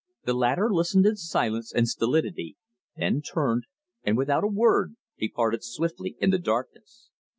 The latter listened in silence and stolidity, then turned, and without a word departed swiftly in the darkness.